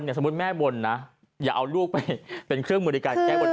อย่างสมมติแม่บนนะอย่าเอาลูกไปเป็นเครื่องบริการแก้บน